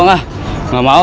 nggak apa apa ah